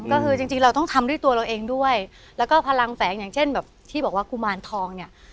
ก็คือจริงจริงเราต้องทำด้วยตัวเราเองด้วยแล้วก็พลังแฝงอย่างเช่นแบบที่บอกว่ากุมารทองเนี่ย